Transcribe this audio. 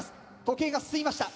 時計が進みました。